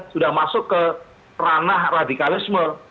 sudah masuk ke ranah radikalisme